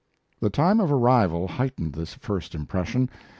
The time of arrival heightened this first impression.